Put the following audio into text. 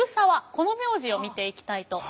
この名字を見ていきたいと思います。